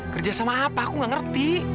kerjasama apa aku gak ngerti